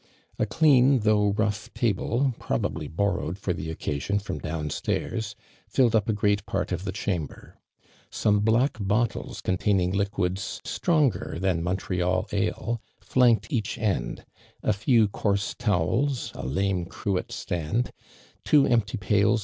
A clean, though rough table, probably boiTowed for the occasion from down stairs, filled np a great part of the chamber. .Some black >i'>ttle.4 containing liquids stronger tlian M ntieal ale, flanked each end ; a few coarse An, a lame cruet stand, two empty paiN i.